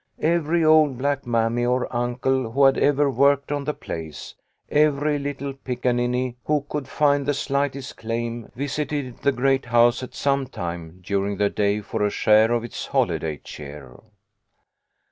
Every old black mammy or uncle who had ever worked on the place, every little pickaninny who could find the slightest claim, visited the great house at some time during the day for a share of its holiday cheer.